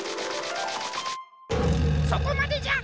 そこまでじゃ！